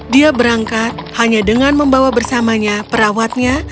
dia berangkat hanya dengan membawa bersamanya perawatnya